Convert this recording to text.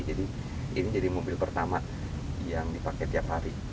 ini jadi mobil pertama yang dipakai tiap hari